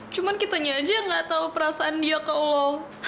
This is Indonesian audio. cuma kita aja yang gak tau perasaan dia kalo